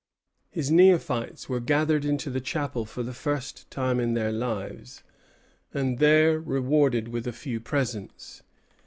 His neophytes were gathered into the chapel for the first time in their lives, and there rewarded with a few presents.